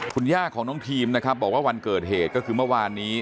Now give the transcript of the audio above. คุณย่าของน้องทีมนะครับบอกว่าวันเกิดเหตุก็คือเมื่อวานนี้